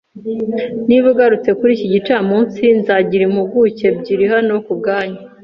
Niba ugarutse kuri iki gicamunsi, nzagira impuguke ebyiri hano kubwanyu.